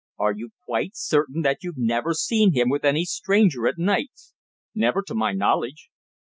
"Are you quite certain that you've never seen him with any stranger at nights?" "Never to my knowledge."